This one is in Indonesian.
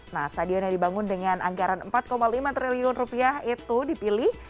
nah stadion yang dibangun dengan anggaran empat lima triliun rupiah itu dipilih